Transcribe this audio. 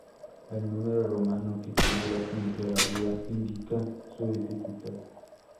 El número romano que figura junto a la vía indica su dificultad.